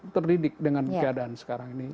terdidik dengan keadaan sekarang ini